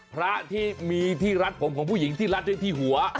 พระที่มีที่รัดผมของผู้หญิงที่รัดไว้ที่หัว